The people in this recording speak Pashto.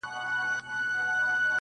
بیا د صمد خان او پاچاخان حماسه ولیکه٫